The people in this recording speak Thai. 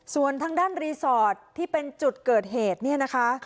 ส่วนทางด้านรีสอร์ทที่เป็นจุดเกิดเหตุเนี่ยนะคะ